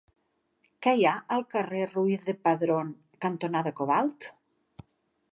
Què hi ha al carrer Ruiz de Padrón cantonada Cobalt?